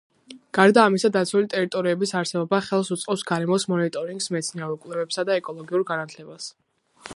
გარდა ამისა, დაცული ტერიტორიების არსებობა ხელს უწყობს გარემოს მონიტორინგს, მეცნიერულ კვლევებსა და ეკოლოგიურ განათლებას.